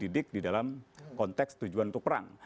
didik di dalam konteks tujuan untuk perang